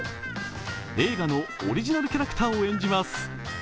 映画のオリジナルキャラクターを演じます。